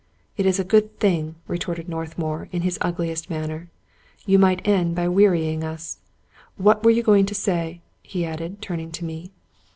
" It is a good thing," retorted Northmour in his ugliest manner. " You might end by wearying us. What were you going to say ?" he added, turning to me.